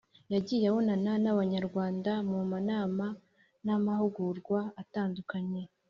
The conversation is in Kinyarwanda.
yagiye abonana n’Abanyarwanda mu manama n’amahugurwa atandukanye